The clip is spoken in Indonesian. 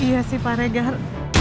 iya sih pak regal